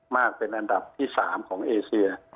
มากเป็นอันดับที่๓ของเอเซีย